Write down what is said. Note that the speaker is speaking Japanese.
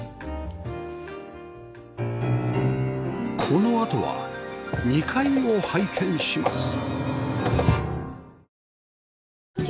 このあとは２階を拝見します